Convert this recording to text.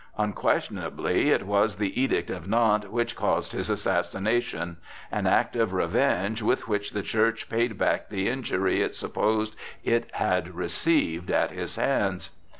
Unquestionably it was the Edict of Nantes which caused his assassination,—an act of revenge with which the Church paid back the injury it supposed it had received at his hands.